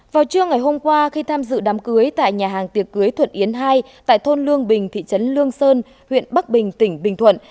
vào trưa ngày hôm qua khi tham dự đám cưới tại nhà hàng tiệc cưới thuận yến hai tại thôn lương bình thị trấn lương sơn huyện bắc bình tỉnh bình thuận